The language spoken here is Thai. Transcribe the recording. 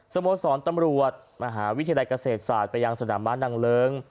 สโมสรตำรวจมหาวิทยาลัยเกษตรศาสตร์ไปยังสนามหลวง